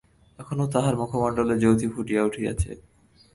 এখন তাঁহার মুখমণ্ডলে জ্যোতি ফুটিয়া উঠিয়াছে।